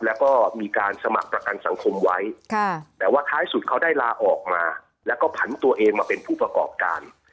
แล้วก็มีการสมัครประกันสังคมไว้แต่ว่าท้ายสุดเขาได้ลาออกมาแล้วก็ผันตัวเองมาเป็นผู้ประกอบการ